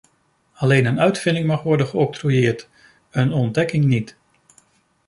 Alleen een uitvinding mag worden geoctrooieerd, een ontdekking niet.